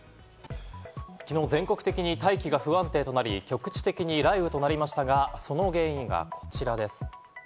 昨日、全国的に大気が不安定となり、局地的な雷雨となりましたが、その原因がこちらです。